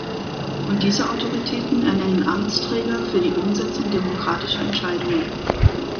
Und diese Autoritäten ernennen Amtsträger für die Umsetzung demokratischer Entscheidungen.